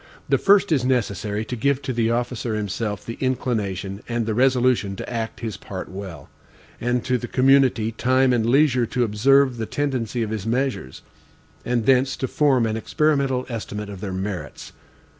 The first is necessary to give to the officer himself the inclination and the resolution to act his part well, and to the community time and leisure to observe the tendency of his measures, and thence to form an experimental estimate of their merits.